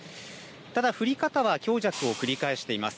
ただ降り方は強弱を繰り返しています。